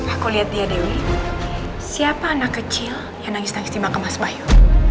aku lihat dia dewi siapa anak kecil yang nangis nangis di mahkamah sebayu